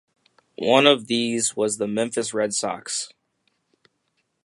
One of these was the Memphis Red Sox.